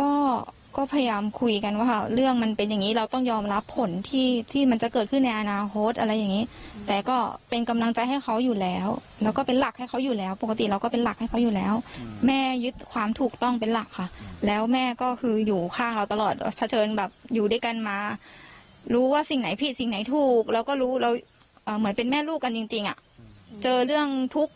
ก็ก็พยายามคุยกันว่าเรื่องมันเป็นอย่างงี้เราต้องยอมรับผลที่ที่มันจะเกิดขึ้นในอนาคตอะไรอย่างนี้แต่ก็เป็นกำลังใจให้เขาอยู่แล้วแล้วก็เป็นหลักให้เขาอยู่แล้วปกติเราก็เป็นหลักให้เขาอยู่แล้วแม่ยึดความถูกต้องเป็นหลักค่ะแล้วแม่ก็คืออยู่ข้างเราตลอดเผชิญแบบอยู่ด้วยกันมารู้ว่าสิ่งไหนผิดสิ่งไหนถูกเราก็รู้เราเหมือนเป็นแม่ลูกกันจริงจริงอ่ะเจอเรื่องทุกข์